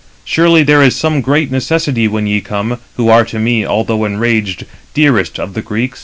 Surely [there is] some great necessity [when ye come], who are to me, although enraged, dearest of the Greeks."